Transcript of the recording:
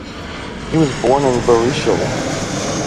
He was born in Barishal.